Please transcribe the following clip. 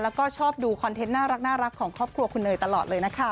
แล้วก็ชอบดูคอนเทนต์น่ารักของครอบครัวคุณเนยตลอดเลยนะคะ